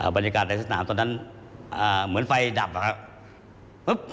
บรรยากาศในสตราบตอนนั้นเหมือนไฟดับ